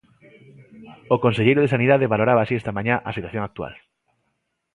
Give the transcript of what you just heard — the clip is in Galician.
O Conselleiro de Sanidade valoraba así esta mañá a situación actual...